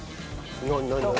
何何何？